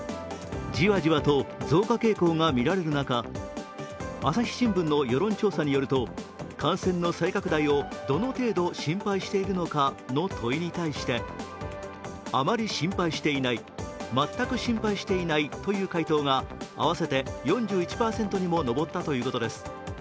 じわじわと増加傾向が見られる中、「朝日新聞」の世論調査によると、感染の再拡大をどの程度心配しているのかの問いに対してあまり心配していない、全く心配していないという回答が合わせて４１％にも上ったということです。